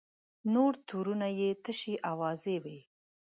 نور تورونه یې تشې اوازې وې.